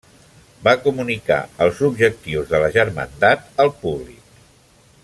Va comunicar els objectius de la Germandat al públic.